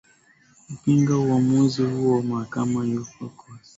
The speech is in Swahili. upinga uamuzi huo wa mahakama hiyo ecowas